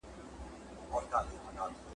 خپله څېړنه په نړیوالو اصولو برابره کړه.